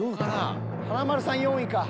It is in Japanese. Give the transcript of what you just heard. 華丸さん４位か。